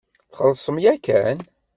Txellṣemt yakan.